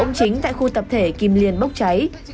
và ông chính tại khu tập thể kim liên bốc cháy